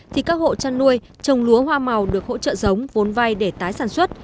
thì các hộ trăn nuôi trồng lúa hoa màu được hỗ trợ giống vốn vai để tái sản xuất